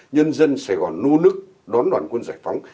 nhân dân sài gòn nô nức đón đoàn quân giải phóng